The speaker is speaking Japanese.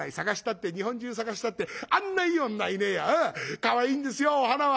かわいいんですよお花は」。